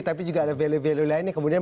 tapi juga ada value value lainnya kemudian